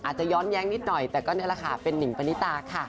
อาจจะย้อนแย้งนิดหน่อยแต่ก็นี่แหละค่ะเป็นหนิงปณิตาค่ะ